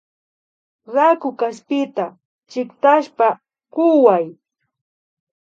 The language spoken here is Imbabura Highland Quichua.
Raku kaspita chiktashpa kuway